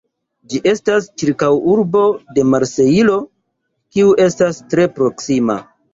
Ĝi estas ĉirkaŭurbo de Marsejlo, kiu estas tre proksima.